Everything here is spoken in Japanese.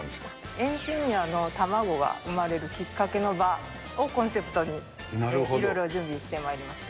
エンジニアの卵が生まれるきっかけの場をコンセプトにいろいろ準備してまいりました。